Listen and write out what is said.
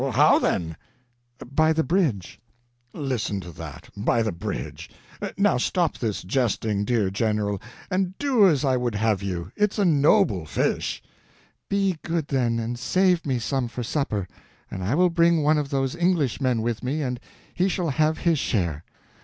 "How, then?" "By the bridge." "Listen to that—by the bridge! Now stop this jesting, dear General, and do as I would have done you. It's a noble fish." "Be good then, and save me some for supper; and I will bring one of those Englishmen with me and he shall have his share."